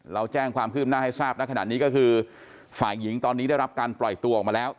เราแจ้งความคืบหน้าให้ทราบนะขนาดนี้ก็คือฝ่ายหญิงตอนนี้ได้รับการปล่อยตัวออกมาแล้ว